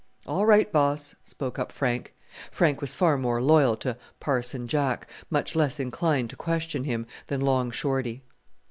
"All right, boss," spoke up Frank. Frank was far more loyal to "Parson Jack," much less inclined to question him, than Long Shorty.